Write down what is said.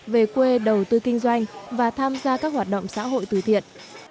về quê đầu tư kinh doanh và tham gia các hoạt động xã hội từ thiện